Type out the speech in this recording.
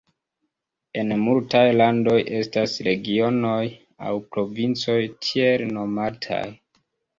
En multaj landoj estas regionoj aŭ provincoj tiele nomataj.